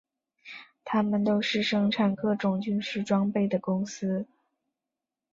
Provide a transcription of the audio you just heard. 它们都是生产各种军事装备的公司。